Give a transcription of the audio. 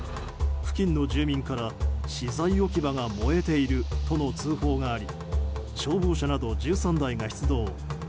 付近の住民から資材置き場が燃えているとの通報があり消防車など１３台が出動。